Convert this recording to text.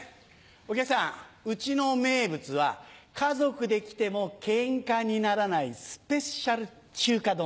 お客さんうちの名物は家族で来てもケンカにならないスペシャル中華丼。